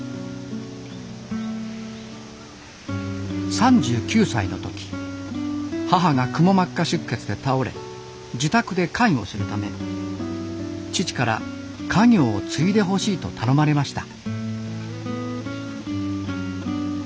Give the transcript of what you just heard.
３９歳の時母がくも膜下出血で倒れ自宅で介護するため父から家業を継いでほしいと頼まれました。